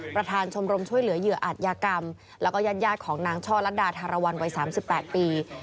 ประธานชมรมช่วยเหลือเหยื่ออาจยากรรมแล้วก็ญาติของนางช่อลัดดาธารวรรณวัย๓๘ปี